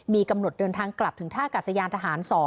มีกำหนดเดินทางกลับถึงท่ากาศยานทหาร๒